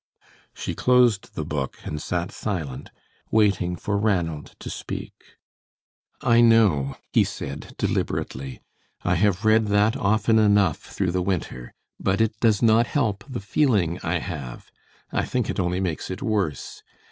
She closed the book and sat silent, waiting for Ranald to speak. "I know," he said, deliberately; "I have read that often through the winter, but it does not help the feeling I have. I think it only makes it worse.